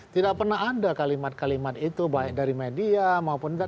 tidak pernah ada kalimat kalimat itu baik dari media maupun